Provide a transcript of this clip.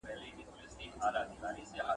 څه وخت چې کتاب ونه خوښ شو، بې ځایه مصرف مه کوئ.